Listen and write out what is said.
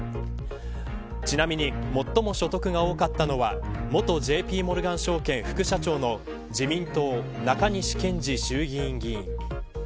ちなみに最も所得が多かったのは元ＪＰモルガン証券副社長の自民党、中西健治衆議院議員。